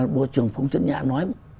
bộ trưởng phúc trấn nhã nói